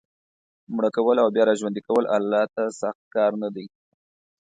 مړه کول او بیا را ژوندي کول الله ته سخت کار نه دی.